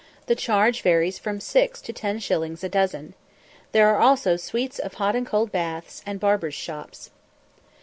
The charge varies from six to ten shillings a dozen. There are also suites of hot and cold baths, and barbers' shops.